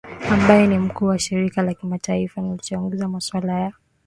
ambaye ni mkuu wa shirika la kimataifa linalochunguza maswala ya